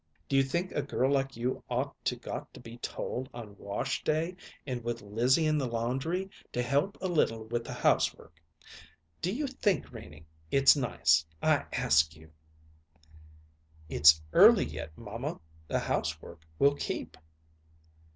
Do you think a girl like you ought to got to be told, on wash day and with Lizzie in the laundry, to help a little with the housework? Do you think, Renie, it's nice? I ask you." "It's early yet, mamma; the housework will keep."